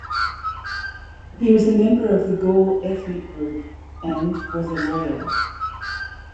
He was a member of the Gor ethnic group, and was a lawyer.